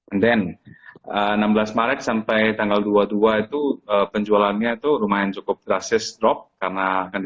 and then enam belas maret sampai tanggal dua puluh dua itu penjualannya itu lumayan cukup drastis drop karena akan